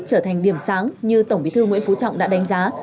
trở thành điểm sáng như tổng bí thư nguyễn phú trọng đã đánh giá